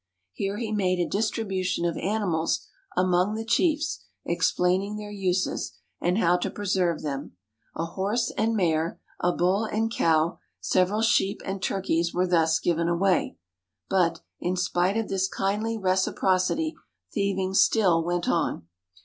Here he made a distribution of animals among the chiefs, explaining their uses, and how to preserve them. A horse and mare, a bull and cow, several sheep and turkeys were thus given away. But, in spite of this kindly reciprocity, thieving still went on.